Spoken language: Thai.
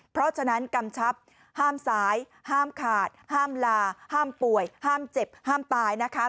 เพราะฉะนั้นกำชับห้ามซ้ายห้ามขาดห้ามลาห้ามป่วยห้ามเจ็บห้ามตายนะคะ